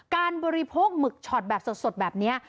การบริโภคหมึกฉอดแบบสดแบบนี้